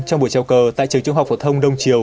trong buổi trao cờ tại trường trung học phổ thông đông triều